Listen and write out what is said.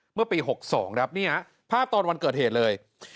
เมื่อปี๖๒ครับเนี่ยภาพตอนวันเกิดเหตุเลย